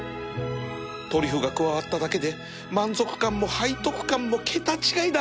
トリュフが加わっただけで満足感も背徳感も桁違いだ